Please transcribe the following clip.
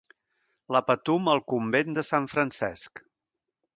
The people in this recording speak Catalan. "La Patum al Convent de Sant Francesc"